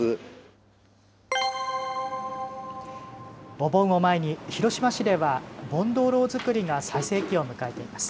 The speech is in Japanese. お盆を前に広島市では盆灯ろう作りが最盛期を迎えています。